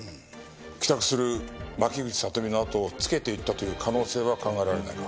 帰宅する牧口里美のあとをつけていったという可能性は考えられないか？